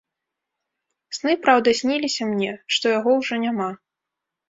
Сны, праўда, сніліся мне, што яго ўжо няма.